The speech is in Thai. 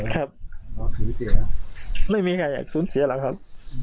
ครับไม่มีใครอยากสูญเสียหรอกครับ